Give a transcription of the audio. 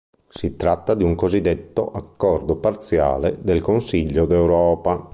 Si tratta di un cosiddetto "Accordo Parziale" del Consiglio d'Europa.